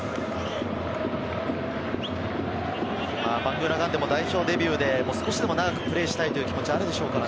バングーナガンデも代表デビューで少しでも長くプレーしたいという気持ちはあるでしょうからね。